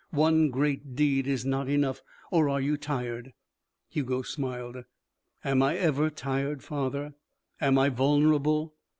One great deed is not enough or are you tired?" Hugo smiled. "Am I ever tired, father? Am I vulnerable?"